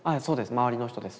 周りの人です。